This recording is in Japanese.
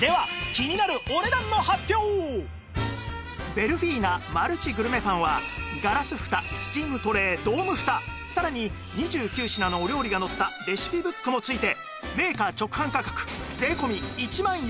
では気になるベルフィーナマルチグルメパンはガラスフタスチームトレードームフタさらに２９品のお料理が載ったレシピブックも付いてメーカー直販価格税込１万４８００円